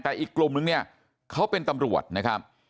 แต่อีกกลุ่มนึงเนี่ยเขาเป็นตำรวจนะครับ